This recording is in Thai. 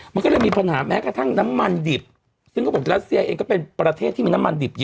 มันก็เลยมีปัญหาแม้กระทั่งน้ำมันดิบซึ่งเขาบอกรัสเซียเองก็เป็นประเทศที่มีน้ำมันดิบเยอะ